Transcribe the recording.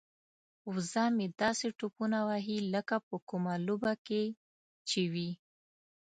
وزه مې داسې ټوپونه وهي لکه په کومه لوبه کې چې وي.